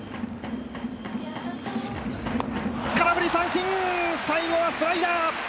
空振り三振、最後はスライダー。